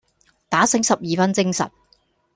打醒十二分精神